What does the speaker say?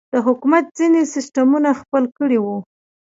د حکومت ځينې سسټمونه خپل کړي وو.